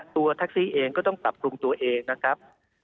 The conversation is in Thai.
ตัวแท็กซี่เองก็ต้องปรับปรุงตัวเองนะครับ